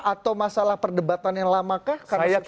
atau masalah perdebatan yang lama kah